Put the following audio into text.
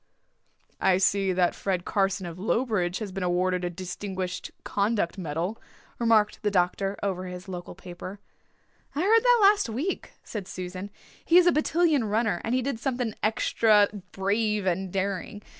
"I see that Fred Carson of Lowbridge has been awarded a Distinguished Conduct Medal," remarked the doctor, over his local paper. "I heard that last week," said Susan. "He is a battalion runner and he did something extra brave and daring.